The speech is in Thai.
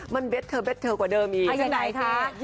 มันเบสเทอร์กว่าเดิมอีก